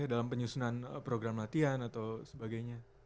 dalam penyusunan program latihan atau sebagainya